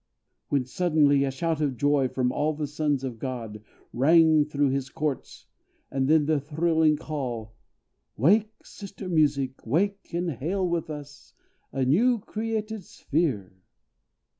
When, suddenly, A shout of joy from all the sons of God, Rang through his courts: and then the thrilling call, "Wake! sister Music, wake, and hail with us, A new created sphere!"